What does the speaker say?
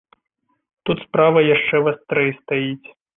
Тут справа яшчэ вастрэй стаіць.